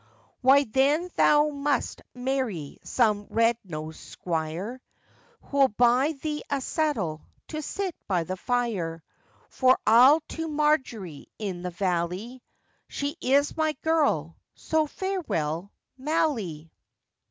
'Why then thou must marry some red nosed squire, [Who'll buy thee a settle to sit by the fire,] For I'll to Margery in the valley, She is my girl, so farewell Malley.